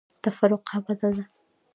تفرقه بده ده.